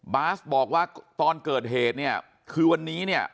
บาสบอกว่าตอนเกิดเหตุเนี่ยคือวันนี้เนี่ย